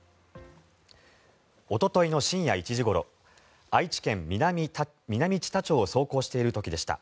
おとといの深夜１時ごろ愛知県南知多町を走行している時でした。